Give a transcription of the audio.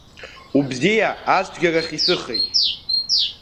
Убзиа ацәгьарахь исыхеит…